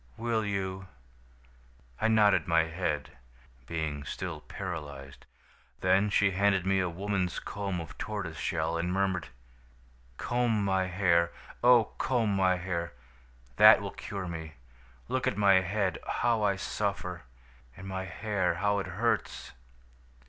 "'Will you?' "I nodded my head, being still paralyzed. "Then she handed me a woman's comb of tortoise shell, and murmured: "'Comb my hair! Oh, comb my hair! That will cure me. Look at my head how I suffer! And my hair how it hurts!'